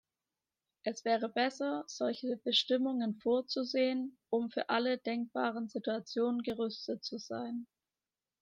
Es wäre besser, solche Bestimmungen vorzusehen, um für alle denkbaren Situationen gerüstet zu sein.